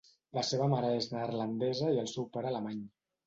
La seva mare és neerlandesa i el seu pare alemany.